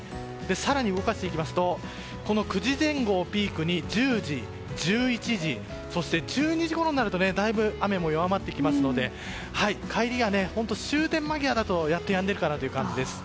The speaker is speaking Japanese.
更に動かしていきますと９時前後をピークに１０時、１１時１２時ごろになるとだいぶ雨も弱まってきますので帰りは終電間際だとやっとやんでいるかなという感じです。